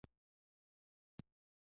دوی سبا هم خپل وزارت غواړي.